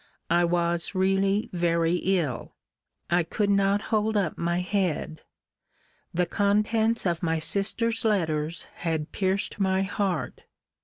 I was really very ill. I could not hold up my head. The contents of my sister's letters had pierced my heart.